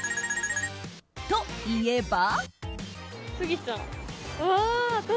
○○といえば？